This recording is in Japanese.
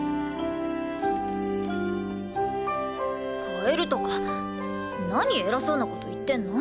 変えるとか何偉そうな事言ってんの。